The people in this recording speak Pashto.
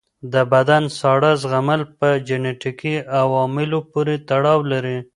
د بدن ساړه زغمل په جنیټیکي عواملو پورې تړاو لري.